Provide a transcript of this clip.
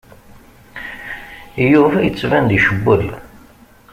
Yuba yettban-d icewwel.